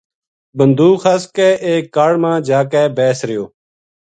بندوکھ خَس کے ایک کاڑ ما جا کے بیس رہیو